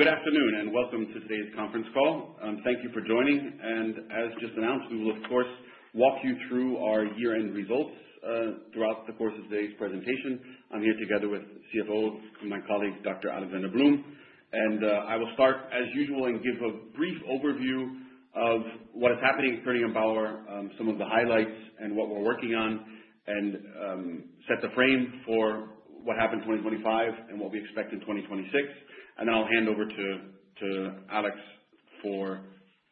Good afternoon and welcome to today's conference call. Thank you for joining. As just announced, we will of course, walk you through our year-end results throughout the course of today's presentation. I'm here together with CFO, my colleague, Dr. Alexander Blum. I will start as usual and give a brief overview of what is happening at Koenig & Bauer, some of the highlights and what we're working on, and set the frame for what happened 2025 and what we expect in 2026. Then I'll hand over to Alex for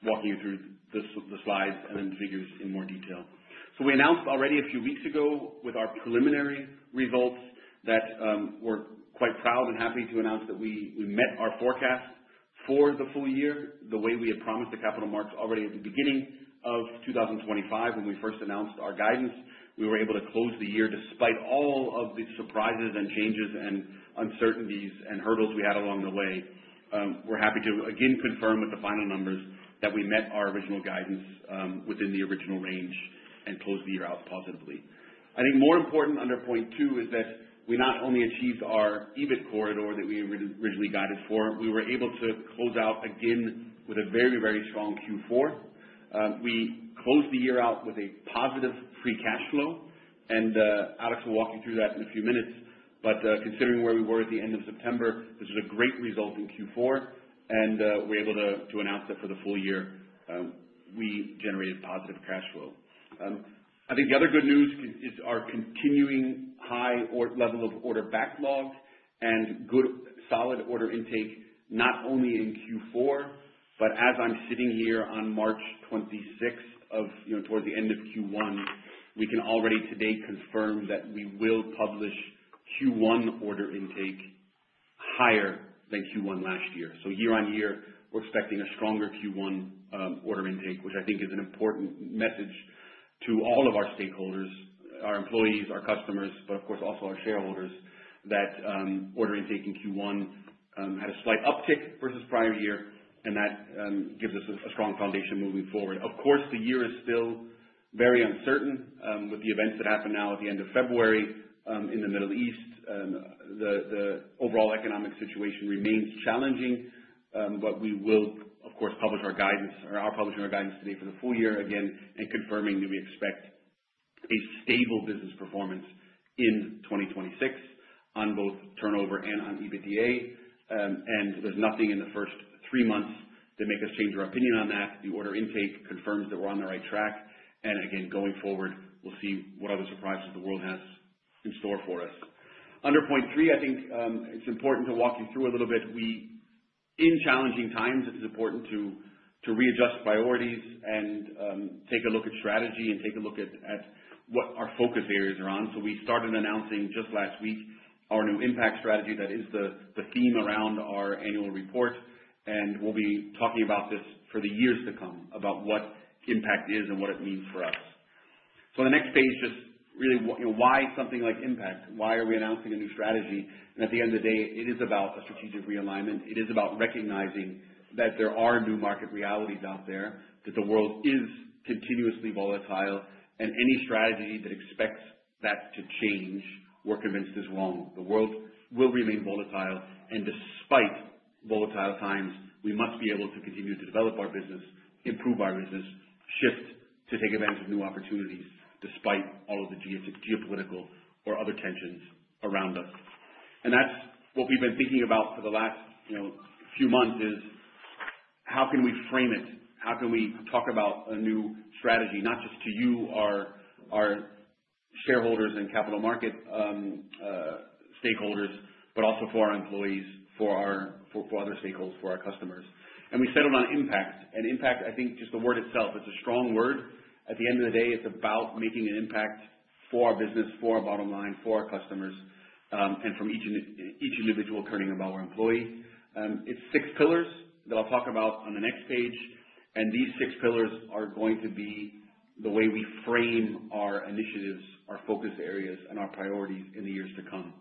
walking you through the slides and figures in more detail. We announced already a few weeks ago with our preliminary results that we're quite proud and happy to announce that we met our forecast for the full year, the way we had promised the capital markets already at the beginning of 2025 when we first announced our guidance. We were able to close the year despite all of the surprises and changes and uncertainties and hurdles we had along the way. We're happy to again confirm with the final numbers that we met our original guidance within the original range and closed the year out positively. I think more important under point two is that we not only achieved our EBIT corridor that we originally guided for, we were able to close out again with a very strong Q4. We closed the year out with a positive free cash flow. Alex will walk you through that in a few minutes. Considering where we were at the end of September, this is a great result in Q4, and we're able to announce that for the full year, we generated positive cash flow. I think the other good news is our continuing high level of order backlog and good solid order intake, not only in Q4, but as I'm sitting here on March 26th, towards the end of Q1, we can already today confirm that we will publish Q1 order intake higher than Q1 last year. Year-over-year, we're expecting a stronger Q1 order intake, which I think is an important message to all of our stakeholders, our employees, our customers, but of course also our shareholders, that order intake in Q1 had a slight uptick versus prior year and that gives us a strong foundation moving forward. Of course, the year is still very uncertain with the events that happened now at the end of February in the Middle East. The overall economic situation remains challenging, we will, of course, publish our guidance or are publishing our guidance today for the full year again and confirming that we expect a stable business performance in 2026 on both turnover and on EBITDA. There's nothing in the first three months that make us change our opinion on that. The order intake confirms that we're on the right track. Again, going forward, we'll see what other surprises the world has in store for us. Under point three, I think it's important to walk you through a little bit. In challenging times, it is important to readjust priorities and take a look at strategy and take a look at what our focus areas are on. We started announcing just last week our new impact strategy. That is the theme around our annual report, and we'll be talking about this for the years to come, about what impact is and what it means for us. The next page, just really why something like impact? Why are we announcing a new strategy? At the end of the day, it is about a strategic realignment. It is about recognizing that there are new market realities out there, that the world is continuously volatile, and any strategy that expects that to change, we're convinced is wrong. The world will remain volatile, and despite volatile times, we must be able to continue to develop our business, improve our business, shift to take advantage of new opportunities despite all of the geopolitical or other tensions around us. That's what we've been thinking about for the last few months, is how can we frame it? How can we talk about a new strategy, not just to you, our shareholders and capital market stakeholders, but also for our employees, for other stakeholders, for our customers? We settled on impact. Impact, I think just the word itself, it's a strong word. At the end of the day, it's about making an impact for our business, for our bottom line, for our customers, and from each individual Koenig & Bauer employee. It's six pillars that I'll talk about on the next page. These six pillars are going to be the way we frame our initiatives, our focus areas, and our priorities in the years to come.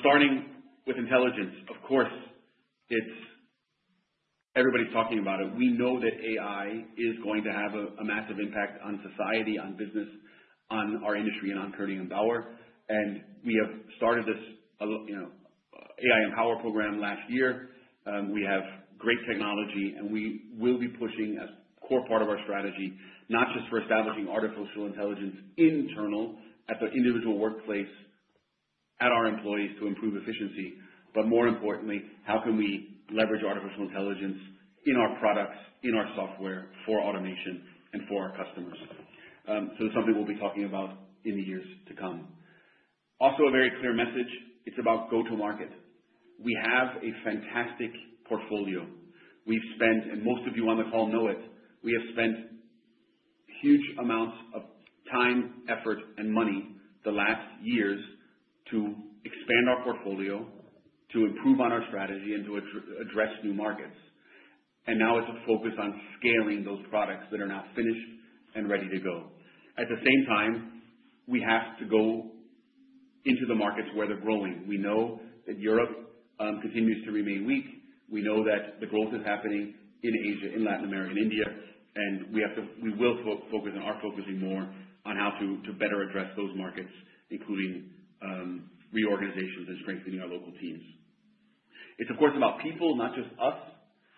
Starting with intelligence. Of course, everybody's talking about it. We know that AI is going to have a massive impact on society, on business, on our industry, and on Koenig & Bauer. We have started this AI Empower program last year. We have great technology and we will be pushing a core part of our strategy, not just for establishing artificial intelligence internal at the individual workplace at our employees to improve efficiency, but more importantly, how can we leverage artificial intelligence in our products, in our software for automation and for our customers? It's something we'll be talking about in the years to come. Also a very clear message, it's about go to market. We have a fantastic portfolio. We've spent, and most of you on the call know it, we have spent huge amounts of time, effort and money the last years to expand our portfolio, to improve on our strategy and to address new markets. Now it's a focus on scaling those products that are now finished and ready to go. At the same time, we have to go into the markets where they're growing. We know that Europe continues to remain weak. We know that the growth is happening in Asia, in Latin America and India and we will focus and are focusing more on how to better address those markets, including reorganizations and strengthening our local teams. It's of course about people, not just us,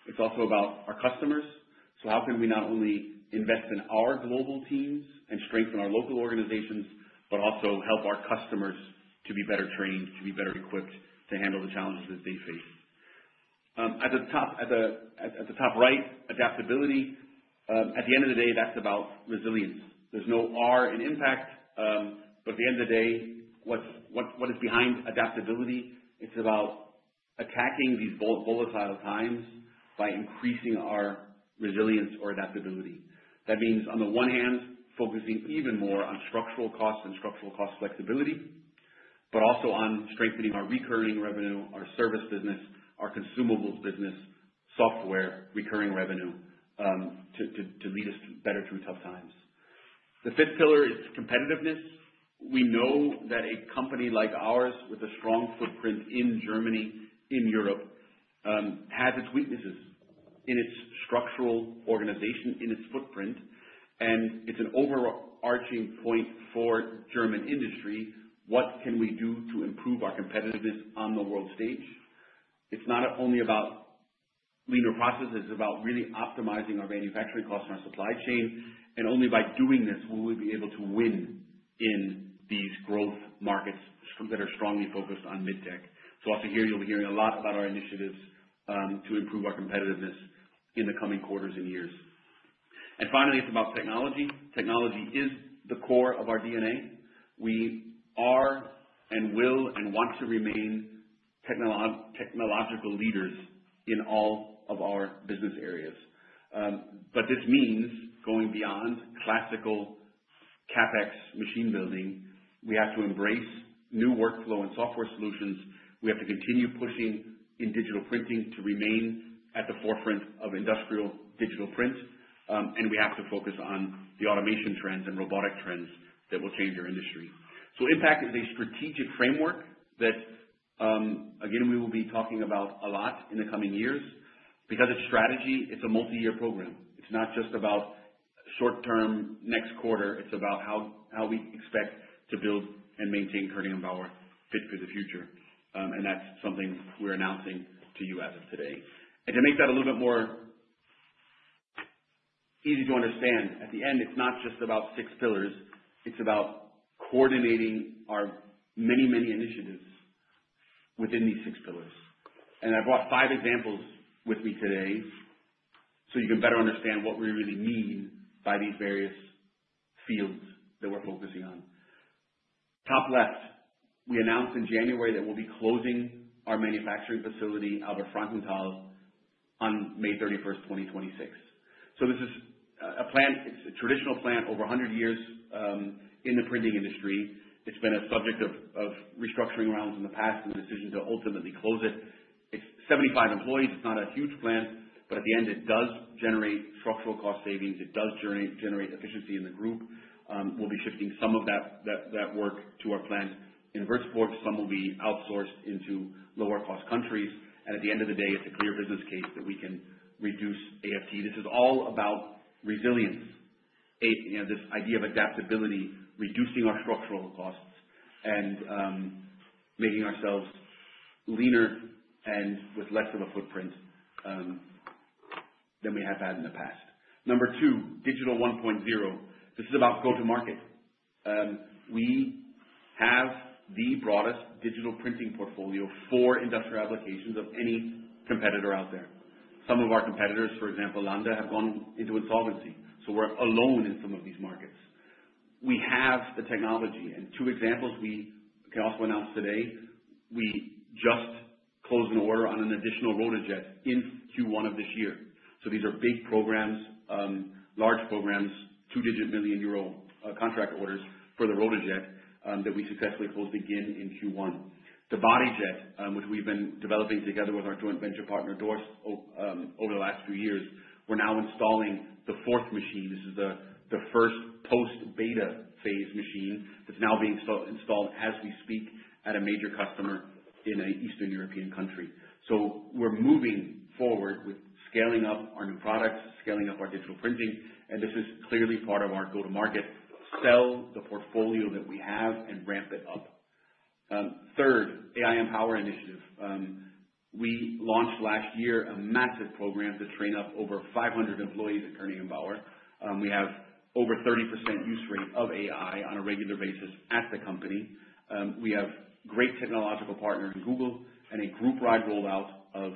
it's also about our customers. How can we not only invest in our global teams and strengthen our local organizations, but also help our customers to be better trained, to be better equipped to handle the challenges that they face? At the top right, adaptability. At the end of the day, that's about resilience. There's no R in IMPACT. At the end of the day, what is behind adaptability, it's about attacking these volatile times by increasing our resilience or adaptability. That means, on the one hand, focusing even more on structural costs and structural cost flexibility, but also on strengthening our recurring revenue, our service business, our consumables business, software recurring revenue, to lead us better through tough times. The fifth pillar is competitiveness. We know that a company like ours with a strong footprint in Germany, in Europe, has its weaknesses in its structural organization, in its footprint, and it's an overarching point for German industry. What can we do to improve our competitiveness on the world stage? It's not only about leaner processes, it's about really optimizing our manufacturing costs and our supply chain, and only by doing this will we be able to win in these growth markets that are strongly focused on mid-tech. Also here, you'll be hearing a lot about our initiatives to improve our competitiveness in the coming quarters and years. Finally, it's about technology. Technology is the core of our DNA. We are and will and want to remain technological leaders in all of our business areas. This means going beyond classical CapEx machine building. We have to embrace new workflow and software solutions. We have to continue pushing in digital printing to remain at the forefront of industrial digital print. We have to focus on the automation trends and robotic trends that will change our industry. IMPACT is a strategic framework that, again, we will be talking about a lot in the coming years. It's strategy, it's a multi-year program. It's not just about short-term, next quarter. It's about how we expect to build and maintain Koenig & Bauer fit for the future. That's something we're announcing to you as of today. To make that a little bit more easy to understand, at the end, it's not just about six pillars, it's about coordinating our many initiatives within these six pillars. I brought five examples with me today so you can better understand what we really mean by these various fields that we're focusing on. Top left. We announced in January that we'll be closing our manufacturing facility, Albert-Frankenthal, on May 31st, 2026. This is a traditional plant, over 100 years in the printing industry. It's been a subject of restructuring rounds in the past and the decision to ultimately close it. It's 75 employees. It's not a huge plant, but at the end, it does generate structural cost savings. It does generate efficiency in the group. We'll be shifting some of that work to our plant in Würzburg. Some will be outsourced into lower cost countries. At the end of the day, it's a clear business case that we can reduce AFT. This is all about resilience. This idea of adaptability, reducing our structural costs and making ourselves leaner and with less of a footprint than we have had in the past. Number 2, Digital 1.0. This is about go to market. We have the broadest digital printing portfolio for industrial applications of any competitor out there. Some of our competitors, for example, Landa Digital Printing, have gone into insolvency. We are alone in some of these markets. We have the technology, and two examples we can also announce today. We just closed an order on an additional RotaJET in Q1 of this year. These are big programs, large programs, two-digit million EUR contract orders for the RotaJET that we successfully closed again in Q1. The Bodyjet, which we have been developing together with our joint venture partner, Durst, over the last few years. We are now installing the fourth machine. This is the first post-beta phase machine that is now being installed as we speak at a major customer in an Eastern European country. We are moving forward with scaling up our new products, scaling up our digital printing, and this is clearly part of our go-to-market. Sell the portfolio that we have and ramp it up. AI Empower Initiative. We launched last year a massive program to train up over 500 employees at Koenig & Bauer. We have over 30% use rate of AI on a regular basis at the company. We have great technological partners in Google and a groupwide rollout of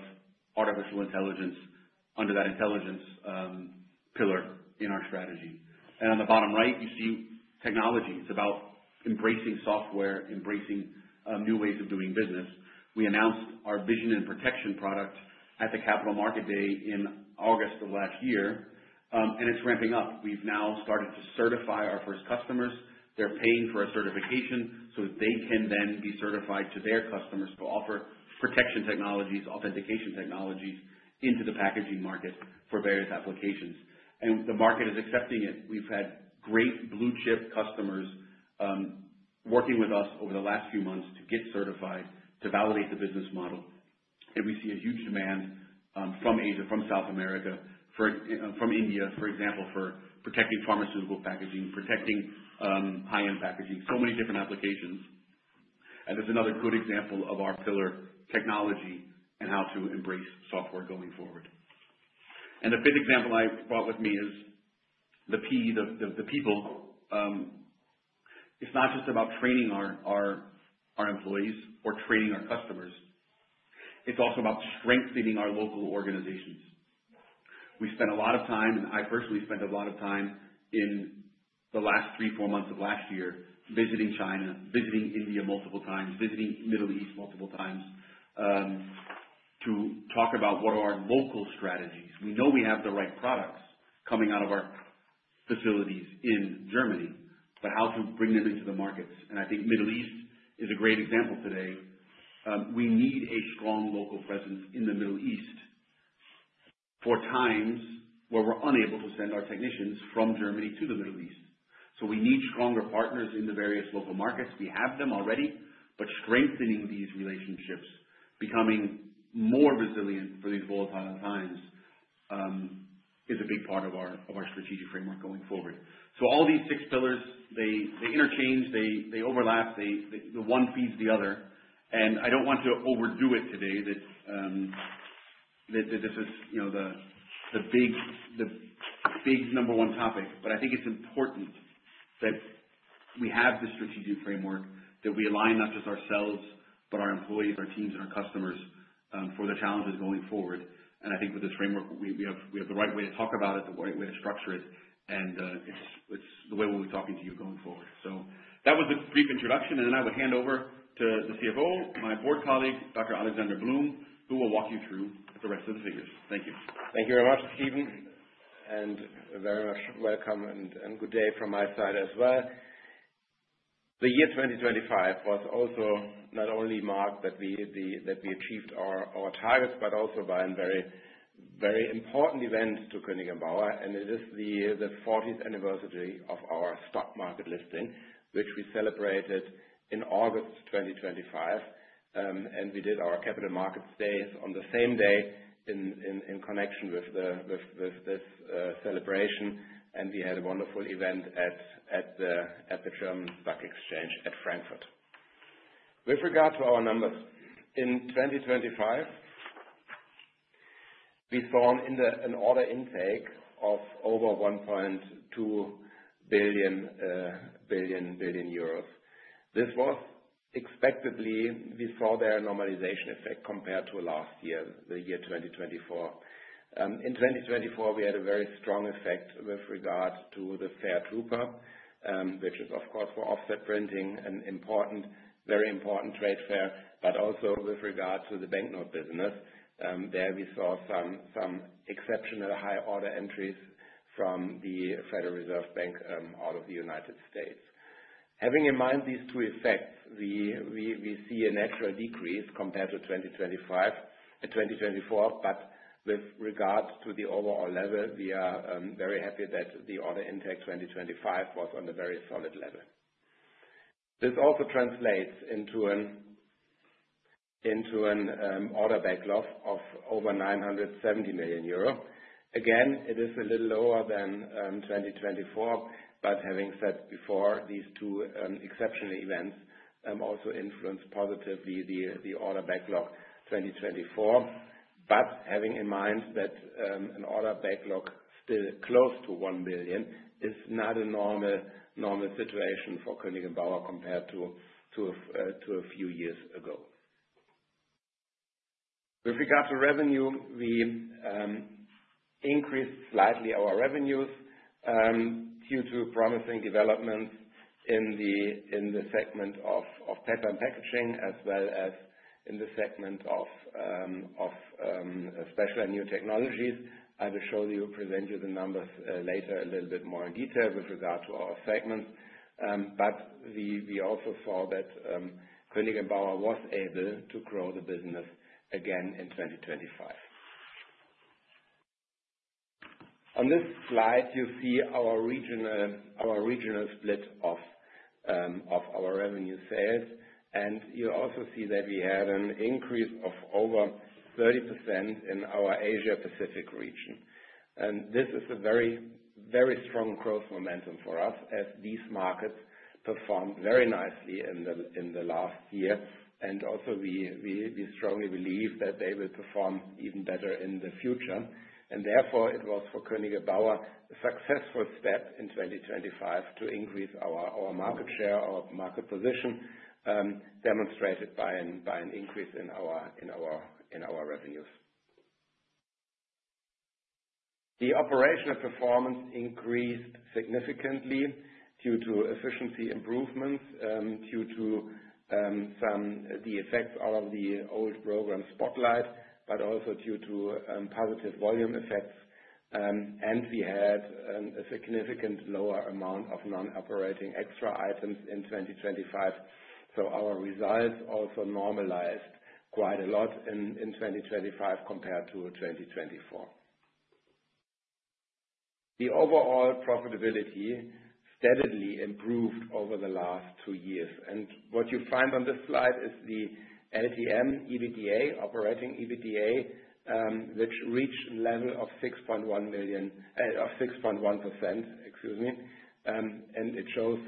artificial intelligence under that intelligence pillar in our strategy. On the bottom right, you see technology. It is about embracing software, embracing new ways of doing business. We announced our Vision & Protection product at the Capital Market Day in August of last year, and it is ramping up. We have now started to certify our first customers. They are paying for a certification so that they can then be certified to their customers to offer protection technologies, authentication technologies into the packaging market for various applications. The market is accepting it. We have had great blue-chip customers working with us over the last few months to get certified, to validate the business model, and we see a huge demand from Asia, from South America, from India, for example, for protecting pharmaceutical packaging, protecting high-end packaging, so many different applications. There is another good example of our pillar technology and how to embrace software going forward. A fifth example I brought with me is the P, the people. It is not just about training our employees or training our customers. It is also about strengthening our local organizations. We spent a lot of time, and I personally spent a lot of time in the last three, four months of last year visiting China, visiting India multiple times, visiting Middle East multiple times, to talk about what are our local strategies. We know we have the right products coming out of our facilities in Germany, but how to bring them into the markets. I think Middle East is a great example today. We need a strong local presence in the Middle East for times where we are unable to send our technicians from Germany to the Middle East. We need stronger partners in the various local markets. We have them already, but strengthening these relationships, becoming more resilient for these volatile times, is a big part of our strategic framework going forward. All these six pillars, they interchange, they overlap, the one feeds the other, I don't want to overdo it today that this is the big number one topic. I think it's important that we have the strategic framework, that we align not just ourselves, but our employees, our teams, and our customers, for the challenges going forward. I think with this framework, we have the right way to talk about it, the right way to structure it, and it's the way we'll be talking to you going forward. That was the brief introduction, I would hand over to the CFO, my board colleague, Dr. Alexander Blum, who will walk you through the rest of the figures. Thank you. Thank you very much, Stephen, very much welcome and good day from my side as well. The year 2025 was also not only marked that we achieved our targets, but also by a very important event to Koenig & Bauer, it is the 40th anniversary of our stock market listing, which we celebrated in August 2025. We did our capital market days on the same day in connection with this celebration. We had a wonderful event at the German Stock Exchange at Frankfurt. With regard to our numbers, in 2025, we saw an order intake of over 1.2 billion euros. This was expectedly. We saw their normalization effect compared to last year, the year 2024. In 2024, we had a very strong effect with regards to the drupa fair, which is, of course, for offset printing an important, very important trade fair, also with regard to the banknote business. There we saw some exceptional high order entries from the Federal Reserve Bank out of the U.S. Having in mind these two effects, we see a natural decrease compared to 2024, with regards to the overall level, we are very happy that the order intake 2025 was on a very solid level. This also translates into an order backlog of over 970 million euro. It is a little lower than 2024, having said before, these two exceptional events, also influenced positively the order backlog 2024. Having in mind that an order backlog still close to 1 billion is not a normal situation for Koenig & Bauer compared to a few years ago. With regard to revenue, we increased slightly our revenues due to promising developments in the segment of packaging as well as in the segment of special and new technologies. I will show you, present you the numbers later a little bit more in detail with regard to our segments. We also saw that Koenig & Bauer was able to grow the business again in 2025. On this slide, you see our regional split of our revenue sales, you also see that we had an increase of over 30% in our Asia Pacific region. This is a very strong growth momentum for us as these markets performed very nicely in the last year. We strongly believe that they will perform even better in the future. Therefore, it was for Koenig & Bauer a successful step in 2025 to increase our market share, our market position, demonstrated by an increase in our revenues. The operational performance increased significantly due to efficiency improvements, due to the effects out of the old program Spotlight, but also due to positive volume effects. We had a significant lower amount of non-operating extra items in 2025. Our results also normalized quite a lot in 2025 compared to 2024. The overall profitability steadily improved over the last two years. What you find on this slide is the LTM EBITDA, operating EBITDA, which reached a level of 6.1%, and it shows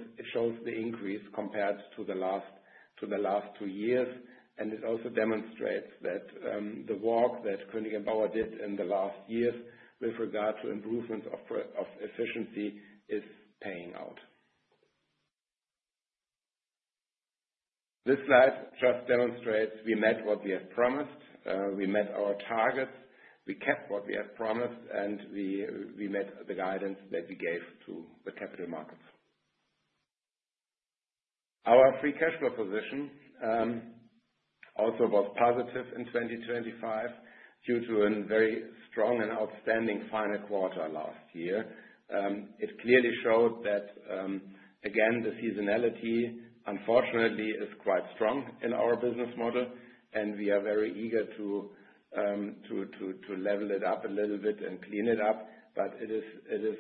the increase compared to the last two years. It also demonstrates that the work that Koenig & Bauer did in the last years with regard to improvement of efficiency is paying out. This slide just demonstrates we met what we had promised, we met our targets, we kept what we had promised, and we met the guidance that we gave to the capital markets. Our free cash flow position also was positive in 2025 due to a very strong and outstanding final quarter last year. It clearly showed that, again, the seasonality unfortunately is quite strong in our business model, and we are very eager to level it up a little bit and clean it up. It is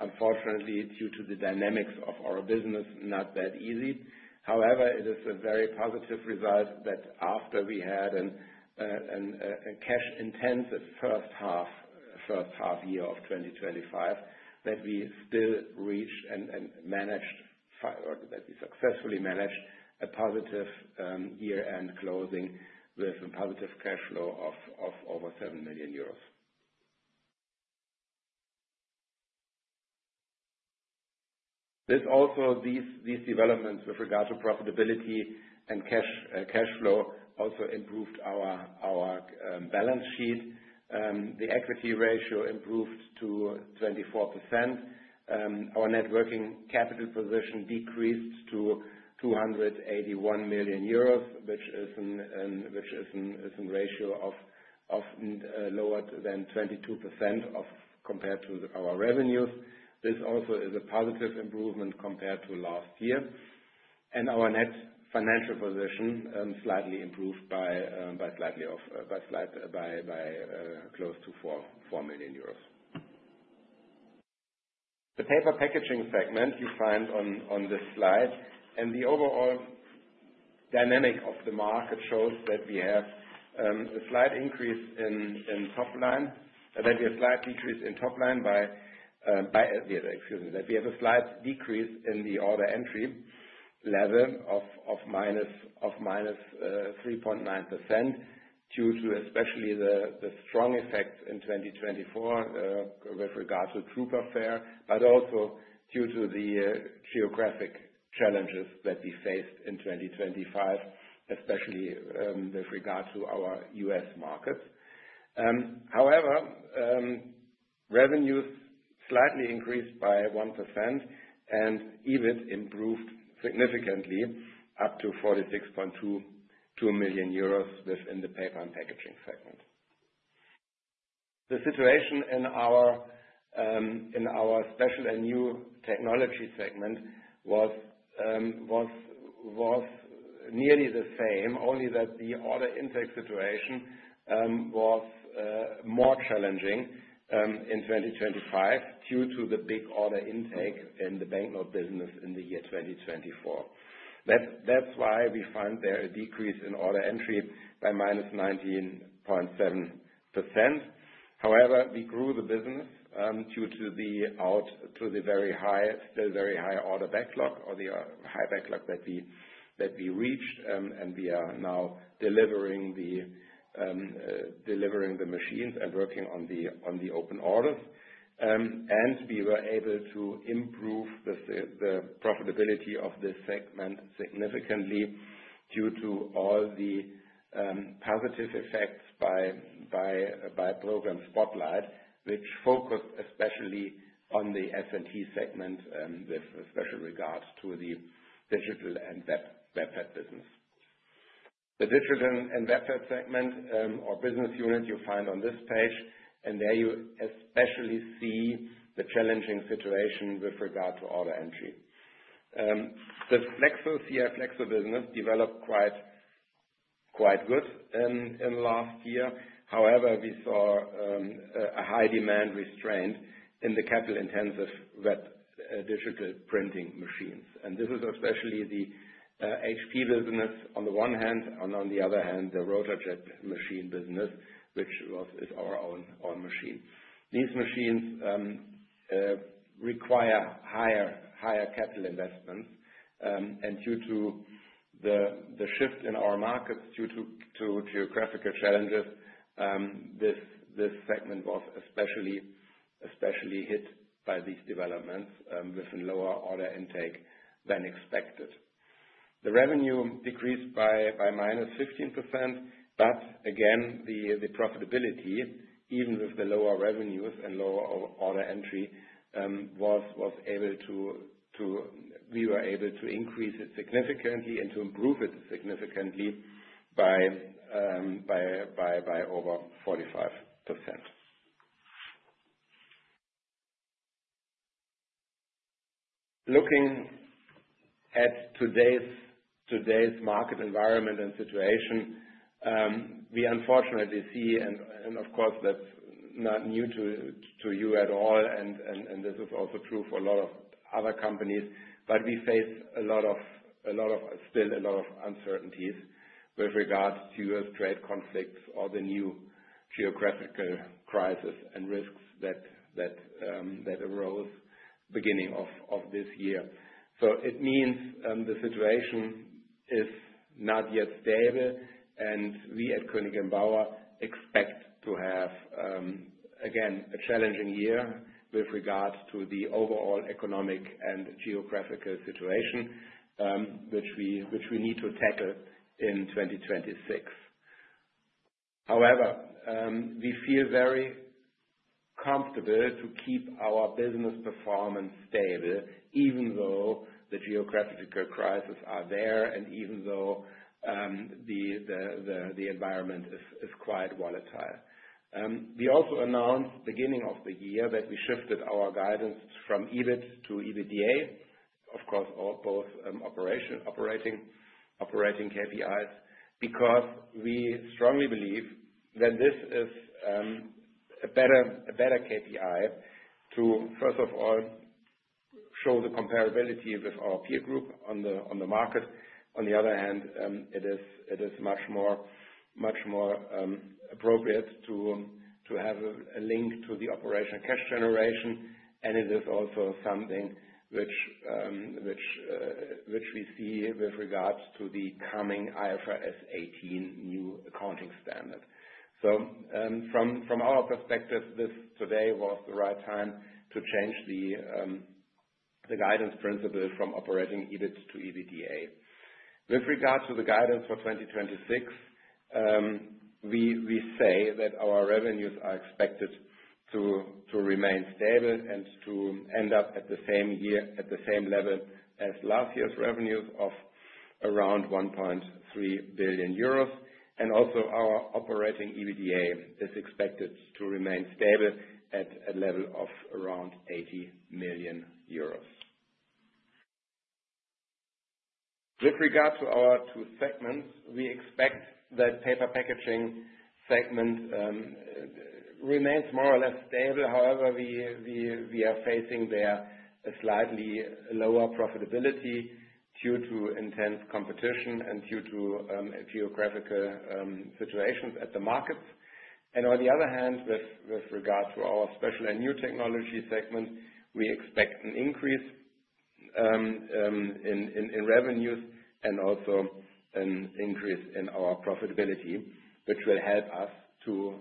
unfortunately, due to the dynamics of our business, not that easy. However, it is a very positive result that after we had a cash-intensive first half year of 2025, that we still reached and successfully managed a positive year-end closing with a positive cash flow of over 7 million euros. These developments with regard to profitability and cash flow also improved our balance sheet. The equity ratio improved to 24%. Our net working capital position decreased to 281 million euros, which is a ratio of lower than 22% compared to our revenues. This also is a positive improvement compared to last year. Our net financial position slightly improved by close to EUR 4 million. The paper packaging segment you find on this slide. The overall dynamic of the market shows that we have a slight decrease in top line by, excuse me. We have a slight decrease in the order entry level of -3.9% due to especially the strong effect in 2024, with regards to drupa fair, but also due to the geographic challenges that we faced in 2025, especially with regard to our U.S. market. However, revenues slightly increased by 1% and even improved significantly up to 46.2 million euros within the paper and packaging segment. The situation in our special and new technology segment was nearly the same, only that the order intake situation was more challenging in 2025 due to the big order intake in the banknote business in the year 2024. That's why we find there a decrease in order entry by -19.7%. However, we grew the business due to the very high order backlog or the high backlog that we reached, and we are now delivering the machines and working on the open orders. We were able to improve the profitability of this segment significantly due to all the positive effects by program Spotlight, which focused especially on the S&T segment, with special regards to the digital and web-based business. The digital and web-based segment or business unit you will find on this page, there you especially see the challenging situation with regard to order entry. The CI Flexo business developed quite good in last year. However, we saw a high demand restraint in the capital-intensive web digital printing machines. This is especially the HP business on the one hand, on the other hand, the RotaJET machine business, which is our own machine. These machines require higher capital investments, due to the shift in our markets due to geographical challenges, this segment was especially hit by these developments, with a lower order intake than expected. The revenue decreased by -15%, again, the profitability, even with the lower revenues and lower order entry, we were able to increase it significantly and to improve it significantly by over 45%. Looking at today's market environment and situation, we unfortunately see, of course, that's not new to you at all, this is also true for a lot of other companies, we face still a lot of uncertainties with regards to U.S. trade conflicts or the new geographical crisis and risks that arose beginning of this year. It means the situation is not yet stable, we at Koenig & Bauer expect to have, again, a challenging year with regards to the overall economic and geographical situation, which we need to tackle in 2026. We feel very comfortable to keep our business performance stable, even though the geographical crises are there, even though the environment is quite volatile. We also announced beginning of the year that we shifted our guidance from EBIT to EBITDA. Both operating KPIs, because we strongly believe that this is a better KPI to, first of all, show the comparability with our peer group on the market. On the other hand, it is much more appropriate to have a link to the operational cash generation, it is also something which we see with regards to the coming IFRS 18 new accounting standard. From our perspective, today was the right time to change the guidance principle from operating EBIT to EBITDA. With regards to the guidance for 2026, we say that our revenues are expected to remain stable and to end up at the same level as last year's revenues of around 1.3 billion euros. Also our operating EBITDA is expected to remain stable at a level of around 80 million euros. With regard to our two segments, we expect that paper packaging segment remains more or less stable. We are facing there a slightly lower profitability due to intense competition due to geographical situations at the markets. On the other hand, with regard to our special and new technology segment, we expect an increase in revenues and also an increase in our profitability, which will help us to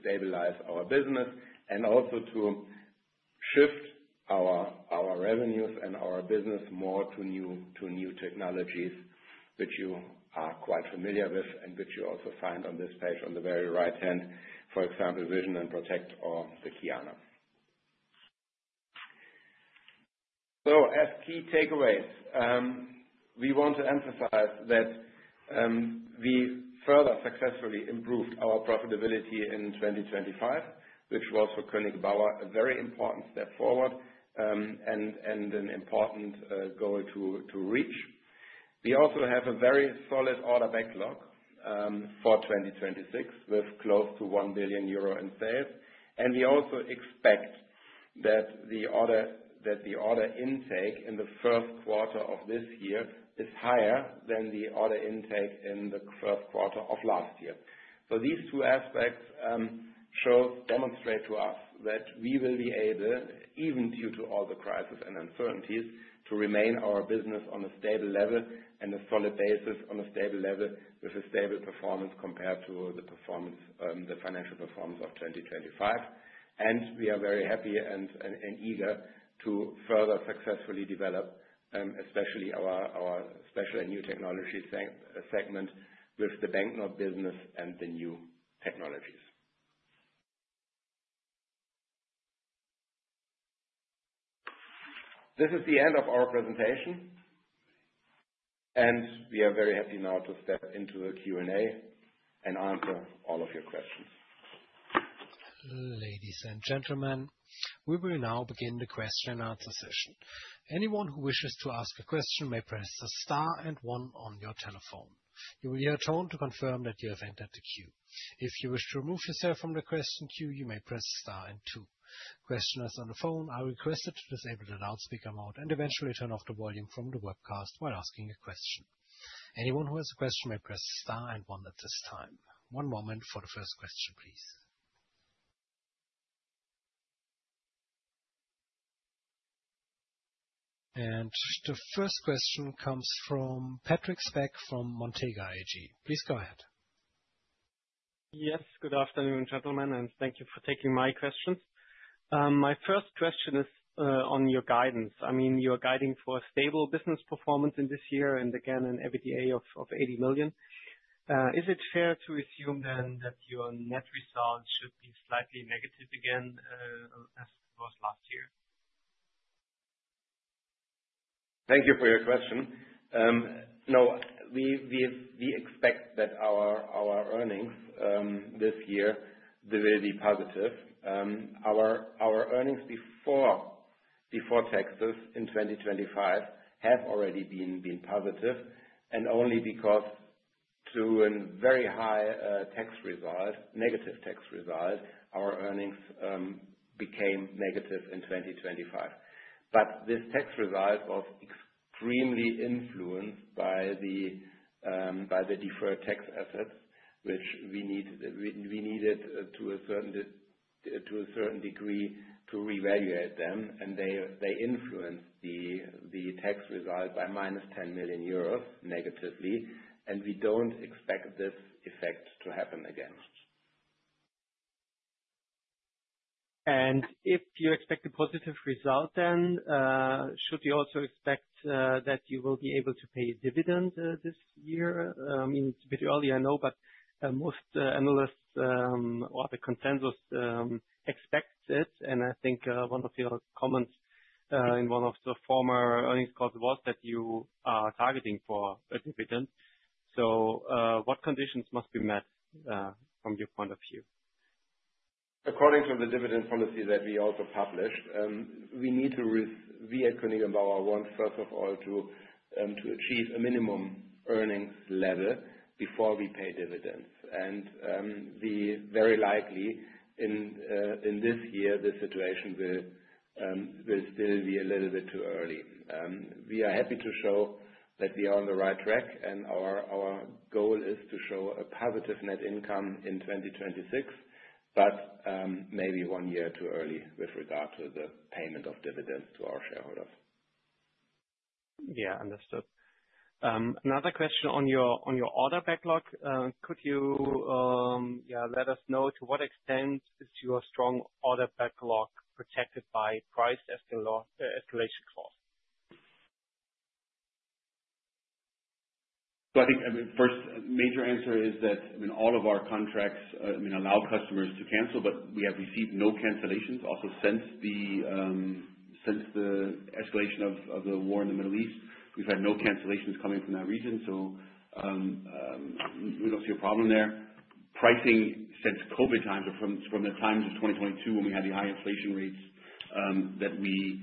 stabilize our business and also to shift our revenues and our business more to new technologies, which you are quite familiar with and which you also find on this page on the very right hand, for example, Vision & Protection or the Kyana. As key takeaways, we want to emphasize that we further successfully improved our profitability in 2025, which was for Koenig & Bauer, a very important step forward, and an important goal to reach. We also have a very solid order backlog for 2026, with close to 1 billion euro in sales. We also expect that the order intake in the first quarter of this year is higher than the order intake in the first quarter of last year. These two aspects demonstrate to us that we will be able, even due to all the crises and uncertainties, to remain our business on a stable level and a solid basis on a stable level with a stable performance compared to the financial performance of 2025. We are very happy and eager to further successfully develop, especially our special and new technology segment with the banknote business and the new technologies. This is the end of our presentation, we are very happy now to step into the Q&A and answer all of your questions. Ladies and gentlemen, we will now begin the question and answer session. Anyone who wishes to ask a question may press the star and one on your telephone. You will hear a tone to confirm that you have entered the queue. If you wish to remove yourself from the question queue, you may press star and two. Questioners on the phone are requested to disable the loudspeaker mode and eventually turn off the volume from the webcast while asking a question. Anyone who has a question may press star and one at this time. One moment for the first question, please. The first question comes from Patrick Speck from Montega AG. Please go ahead. Yes, good afternoon, gentlemen, and thank you for taking my questions. My first question is on your guidance. You're guiding for a stable business performance in this year and again, an EBITDA of 80 million. Is it fair to assume that your net results should be slightly negative again, as was last year? Thank you for your question. We expect that our earnings this year will be positive. Our earnings before taxes in 2025 have already been positive and only because to a very high negative tax result, our earnings became negative in 2025. This tax result was extremely influenced by the deferred tax assets, which we needed, to a certain degree, to revaluate them. They influenced the tax result by minus 10 million euros negatively, and we don't expect this effect to happen again. If you expect a positive result then, should we also expect that you will be able to pay a dividend this year? It's a bit early, I know, most analysts or the consensus expects it. I think one of your comments in one of the former earnings calls was that you are targeting for a dividend. What conditions must be met from your point of view? According to the dividend policy that we also published, we at Koenig & Bauer want, first of all, to achieve a minimum earnings level before we pay dividends. We very likely in this year, the situation will still be a little bit too early. We are happy to show that we are on the right track and our goal is to show a positive net income in 2026, maybe one year too early with regard to the payment of dividends to our shareholders. Yeah, understood. Another question on your order backlog. Could you let us know to what extent is your strong order backlog protected by price escalation clause? I think, first major answer is that all of our contracts allow customers to cancel, but we have received no cancellations. Since the escalation of the war in the Middle East, we have had no cancellations coming from that region, we do not see a problem there. Pricing since COVID times or from the times of 2022 when we had the high inflation rates, we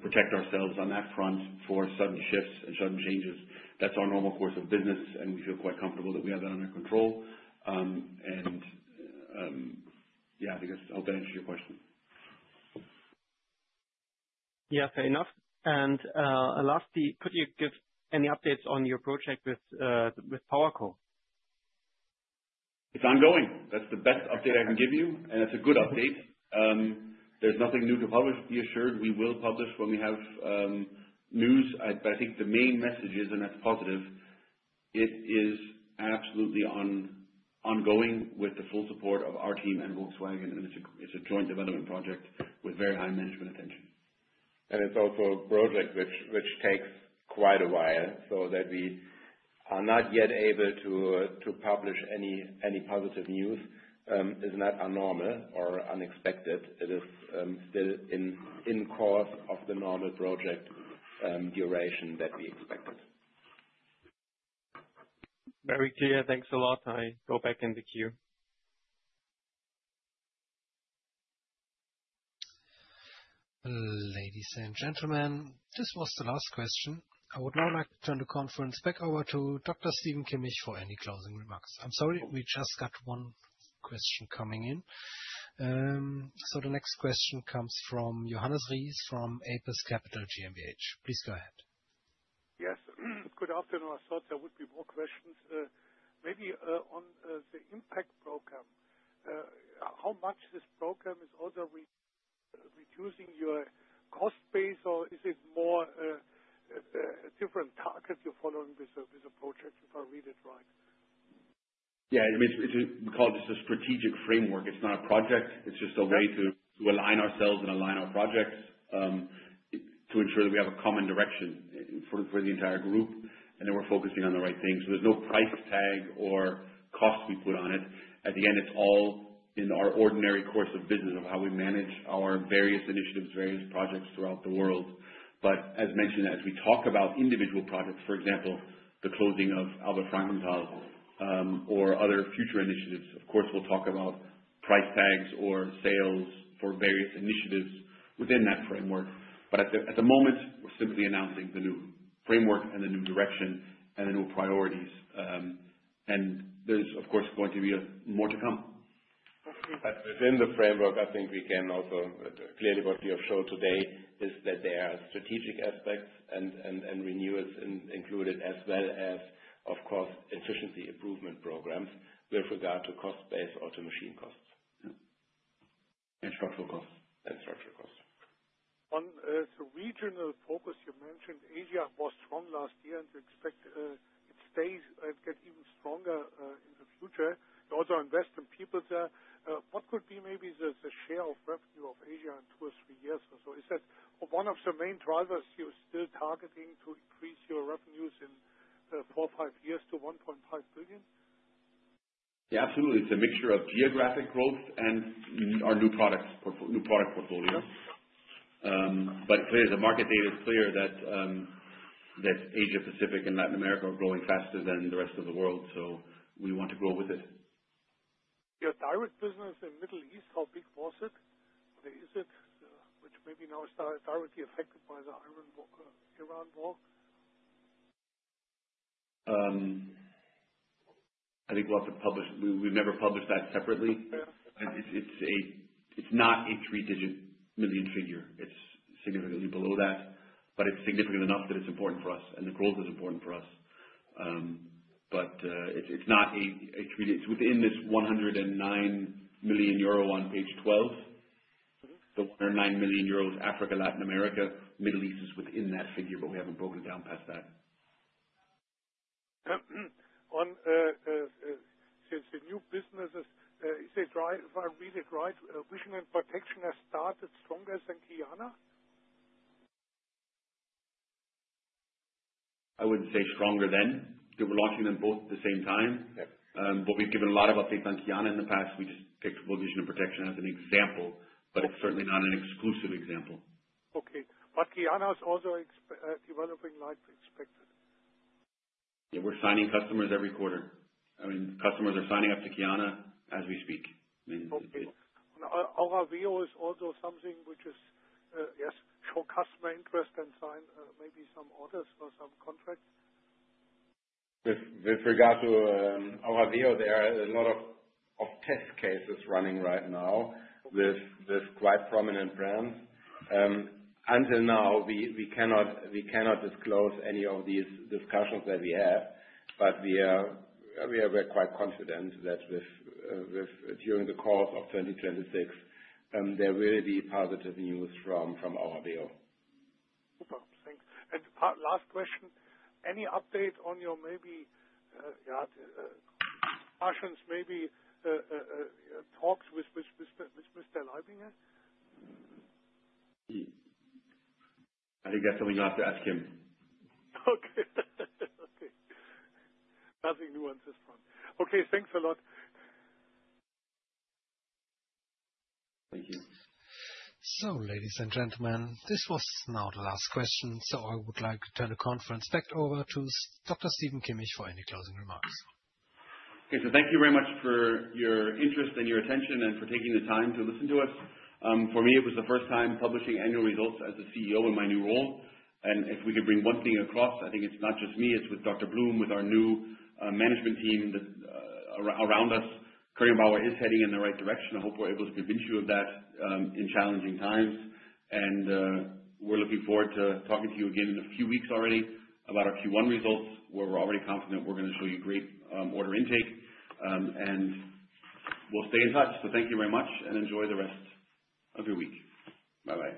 protect ourselves on that front for sudden shifts and sudden changes. That is our normal course of business and we feel quite comfortable that we have that under control. I hope that answers your question. Fair enough. Lastly, could you give any updates on your project with Powerco? It is ongoing. That is the best update I can give you, and it is a good update. There is nothing new to publish. Be assured we will publish when we have news. I think the main message is, that is positive, it is absolutely ongoing with the full support of our team and Volkswagen, and it is a joint development project with very high management attention. It is also a project which takes quite a while, that we are not yet able to publish any positive news is not abnormal or unexpected. It is still in course of the normal project duration that we expected. Very clear. Thanks a lot. I go back in the queue. Ladies and gentlemen, this was the last question. I would now like to turn the conference back over to Dr. Stephen Kimmich for any closing remarks. I am sorry, we just got one question coming in. The next question comes from Johannes Rees from APAS Capital GmbH. Please go ahead. Yes. Good afternoon. I thought there would be more questions. Maybe on the IMPACT program, how much this program is also reducing your cost base or is it more a different target you are following with this approach, if I read it right? Yeah, we call this a strategic framework. It is not a project. It is just a way to align ourselves and align our projects to ensure that we have a common direction for the entire group and that we are focusing on the right things. There is no price tag or cost we put on it. At the end, it is all in our ordinary course of business of how we manage our various initiatives, various projects throughout the world. As mentioned, as we talk about individual projects, for example, the closing of Albert-Frankenthal or other future initiatives, of course, we will talk about price tags or sales for various initiatives within that framework. At the moment, we are simply announcing the new framework and the new direction and the new priorities. There is, of course, going to be more to come. Within the framework, I think we can also clearly what we have showed today is that there are strategic aspects and renewals included as well as, of course, efficiency improvement programs with regard to cost base or to machine costs. Structural costs. Structural costs. On the regional focus you mentioned, Asia was strong last year and you expect it gets even stronger in the future. You also invest in people there. What could be maybe the share of revenue of Asia in two or three years or so? Is that one of the main drivers you're still targeting to increase your revenues in four or five years to 1.5 billion? Absolutely. It's a mixture of geographic growth and our new product portfolio. Clearly, the market data is clear that Asia-Pacific and Latin America are growing faster than the rest of the world, we want to grow with it. Your direct business in Middle East, how big was it? Is it, which may be now directly affected by the Iran block? I think we'll have to publish. We've never published that separately. Okay. It's not a 3-digit million figure. It's significantly below that, it's significant enough that it's important for us, the growth is important for us. It's within this 109 million euro on page 12. The 109 million euros Africa, Latin America, Middle East is within that figure, we haven't broken it down past that. On the new businesses, if I read it right, Vision & Protection has started stronger than Kyana? I wouldn't say stronger than. We're launching them both at the same time. Yeah. We've given a lot of updates on Kyana in the past. We just picked Vision & Protection as an example, but it's certainly not an exclusive example. Okay. Kyana is also developing like expected? Yeah, we're signing customers every quarter. Customers are signing up to Kyana as we speak. Okay. Auraveo is also something which is, I guess, show customer interest and sign maybe some orders or some contracts? With regard to Auraveo, there are a lot of test cases running right now with quite prominent brands. Until now, we cannot disclose any of these discussions that we have, but we're quite confident that during the course of 2026, there will be positive news from Auraveo. Super. Thanks. Last question. Any update on your maybe discussions, maybe talks with Mr. Leiber yet? I think that's something you'll have to ask him. Okay. Nothing new on this front. Okay, thanks a lot. Thank you. ladies and gentlemen, this was now the last question, so I would like to turn the conference back over to Dr. Stephen Kimmich for any closing remarks. Okay. Thank you very much for your interest and your attention and for taking the time to listen to us. For me, it was the first time publishing annual results as a CEO in my new role. If we could bring one thing across, I think it's not just me, it's with Dr. Blum, with our new management team that are around us. Koenig & Bauer is heading in the right direction. I hope we're able to convince you of that in challenging times. We're looking forward to talking to you again in a few weeks already about our Q1 results, where we're already confident we're going to show you great order intake. We'll stay in touch, so thank you very much, and enjoy the rest of your week. Bye-bye.